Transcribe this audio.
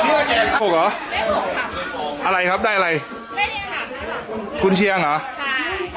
หกเหรอได้หกค่ะอะไรครับได้อะไรได้ค่ะคุณเชียงเหรอใช่